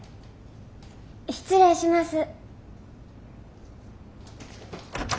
失礼します。